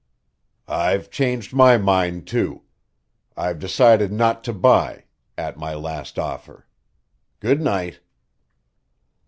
"I've changed my mind, too. I've decided not to buy at my last offer. Good night."